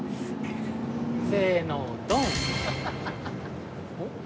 せーのドン！